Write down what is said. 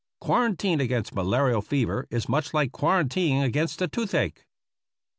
Quarantine against malarial fever is much like quarantining against the toothache.